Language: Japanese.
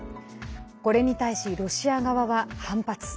これに対し、ロシア側は反発。